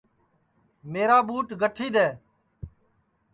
میرا ٻُوٹ گٹھی دؔے